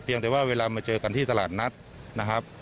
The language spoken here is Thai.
ยังแต่ว่าเวลามาเจอกันที่ตลาดนัดนะครับ